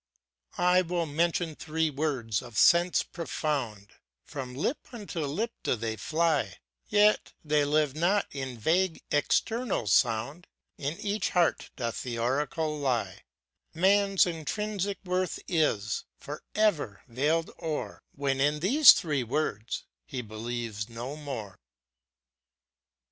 I will mention three Words, of sense profound, From lip unto lip do they fly, Yet, they live not in vague, external sound; In each heart doth the Oracle lie: Man's intrinsic worth is, for ever, veiled o'er, When, in these three Words, he believes no more.